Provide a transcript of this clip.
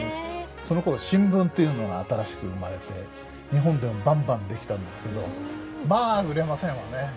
そのころ新聞というのが新しく生まれて日本でもバンバンできたんですけどまあ売れませんわね。